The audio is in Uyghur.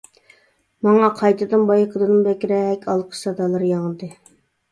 ماڭا قايتىدىن بايىقىدىنمۇ بەكرەك ئالقىش سادالىرى ياڭرىدى.